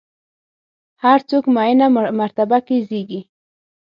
هر څوک معینه مرتبه کې زېږي.